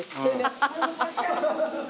ハハハハ！